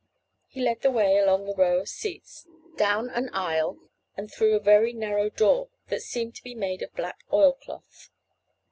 He led the way along the row of seats, down an isle and through a very narrow door that seemed to be made of black oil cloth.